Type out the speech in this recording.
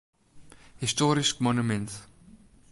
Histoarysk monumint.